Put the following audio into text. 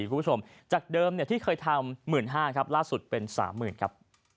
คุณผู้ชมจากเดิมที่เคยทำ๑๕๐๐ครับล่าสุดเป็น๓๐๐๐ครับ